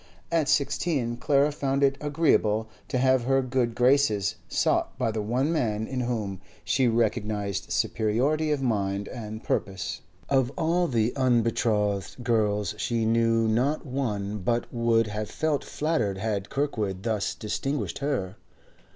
At sixteen, Clara found it agreeable to have her good graces sought by the one man in whom she recognised superiority of mind and purpose. Of all the unbetrothed girls she knew not one but would have felt flattered had Kirkwood thus distinguished her.